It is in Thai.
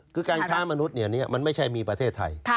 คือการค้ามนุษย์มันไม่ใช่มีประเทศไทย